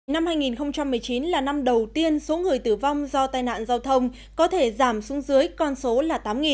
năm hai nghìn một mươi chín là năm đầu tiên số người tử vong do tai nạn giao thông có thể giảm xuống dưới con số là tám